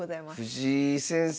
藤井先生